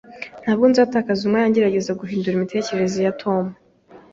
Ntabwo nzatakaza umwanya ngerageza guhindura imitekerereze ya Tom